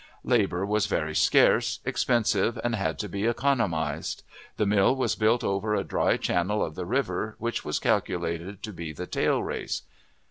Labor was very scarce, expensive, and had to be economized. The mill was built over a dry channel of the river which was calculated to be the tail race.